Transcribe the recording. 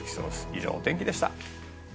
以上、お天気でした。